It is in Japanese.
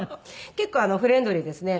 結構フレンドリーですね。